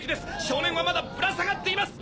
少年はまだぶら下がっています！